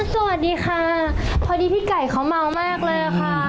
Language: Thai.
สวัสดีค่ะพอดีพี่ไก่เขาเมามากเลยค่ะ